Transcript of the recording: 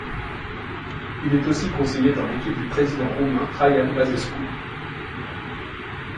Il est aussi conseiller dans l'équipe du président roumain Traian Băsescu.